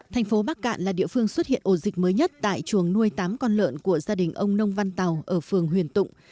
thành phố bắc cạn là địa phương xuất hiện ổ dịch mới nhất tại chuồng nuôi tám con lợn của gia đình ông nông văn tàu ở phường huyền tụng